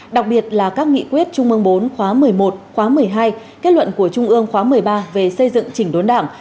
đặc biệt là các nghị quyết trung mương bốn khóa một mươi một khóa một mươi hai kết luận của trung ương khóa một mươi ba về xây dựng chỉnh đốn đảng